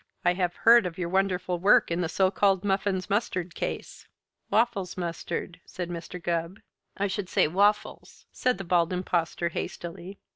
I have heard of your wonderful work in the so called Muffins Mustard case." "Waffles Mustard," said Mr. Gubb. "I should say Waffles," said the Bald Impostor hastily.